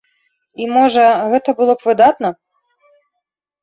І, можа, гэта было б выдатна.